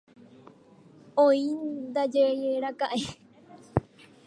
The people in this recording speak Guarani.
Oĩndajeraka'e.